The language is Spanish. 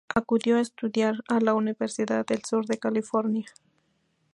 Acudió a estudiar a la Universidad del Sur de California.